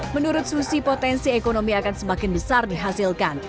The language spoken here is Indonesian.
menurut susi potensi ekonomi akan semakin besar dihasilkan